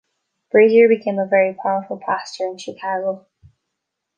Brazier became a very powerful pastor in Chicago.